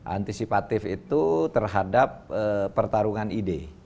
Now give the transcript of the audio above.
antisipatif itu terhadap pertarungan ide